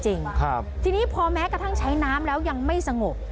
จริงครับทีนี้พอแม้กระทั่งใช้น้ำแล้วยังไม่สงบ